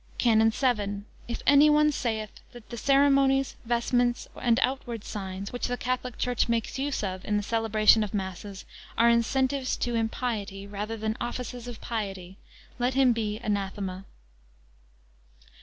CANON VII. If any one saith, that the ceremonies, vestments, and outward signs, which the Catholic Church makes use of in the celebration of masses, are incentives to impiety, rather than offices of piety; let him be anathema.